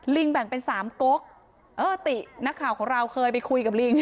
แบ่งเป็นสามกกเออตินักข่าวของเราเคยไปคุยกับลิง